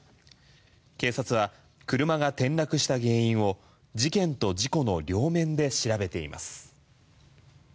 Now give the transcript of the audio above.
警察は車が転落した原因を事件と事故の両面で調べています。